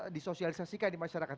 disosialisasikan di masyarakat